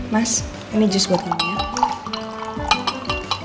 mas ini jus buat kamu ya